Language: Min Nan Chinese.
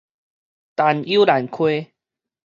陳有蘭溪